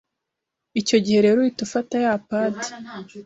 Icyo gihe rero uhita ufata ya “pad”